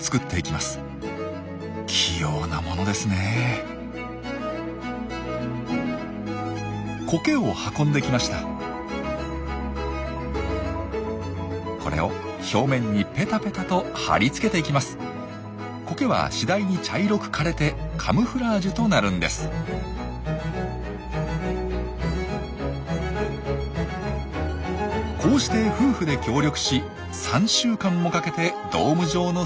こうして夫婦で協力し３週間もかけてドーム状の巣を作ります。